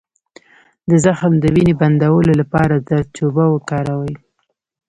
د زخم د وینې بندولو لپاره زردچوبه وکاروئ